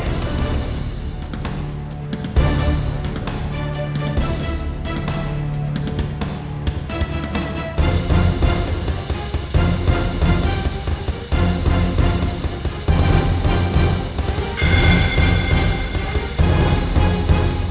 ini fotonya udah lama ya